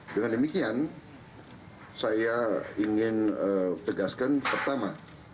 dengan demikian saya ingin tegaskan pertama